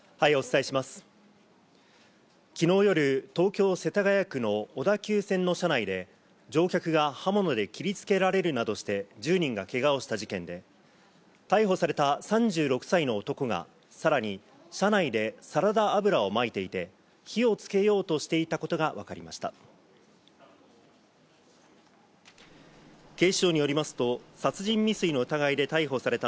昨日夜、東京・世田谷区の小田急線の車内で乗客が刃物で切りつけられるなどして１０人がけがをした事件で逮捕された３６歳の男がさらに車内でサラダ油をまいていて火をつけようとしていたことがわかりました。